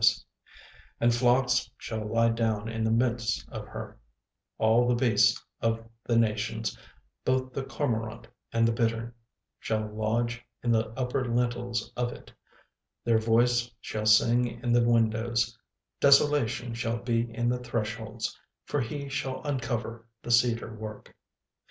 36:002:014 And flocks shall lie down in the midst of her, all the beasts of the nations: both the cormorant and the bittern shall lodge in the upper lintels of it; their voice shall sing in the windows; desolation shall be in the thresholds; for he shall uncover the cedar work.